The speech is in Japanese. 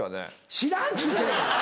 知らんっちゅうてんねん！